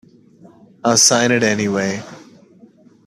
I'll sign it anyway.